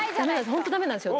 ホントダメなんですよ。